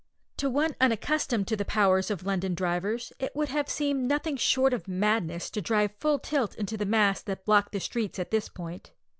To one unaccustomed to the powers of London drivers, it would have seemed nothing short of madness to drive full tilt into the mass that blocked the streets at this point.